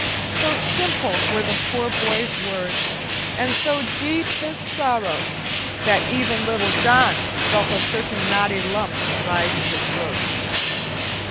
So simple were the poor boy's words, and so deep his sorrow, that even Little John felt a certain knotty lump rise in his throat.